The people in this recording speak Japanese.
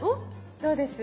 どうです？